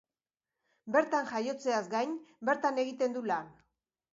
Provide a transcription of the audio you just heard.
Bertan jaiotzeaz gain bertan egiten du lan.